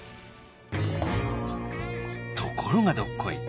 ところがどっこい。